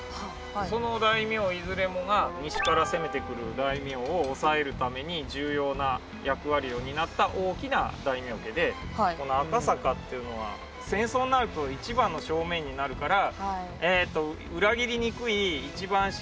その大名いずれもが西から攻めてくる大名を抑えるために重要な役割を担った大きな大名家でこの赤坂っていうのは戦争になると一番の正面になるから。